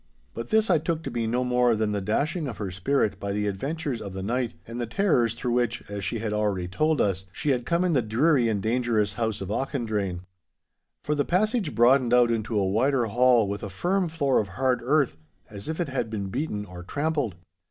But this I took to be no more than the dashing of her spirit by the adventures of the night, and the terrors through which, as she had already told us, she had come in the dreary and dangerous house of Auchendrayne. For the passage broadened out into a wider hall with a firm floor of hard earth, as if it had been beaten or trampled.